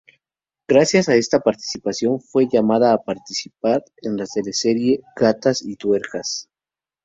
Gracias a esta participación, fue llamada a participar en la teleserie "Gatas y Tuercas".